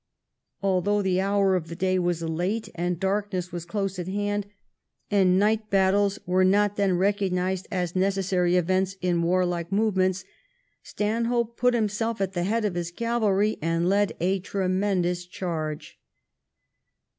Although the hour of the day was late, and darkness was close at hand, and night battles were not then recognised as necessary events in warlike movements. Stanhope put himself at the head of his cavalry and led a tremendous charge.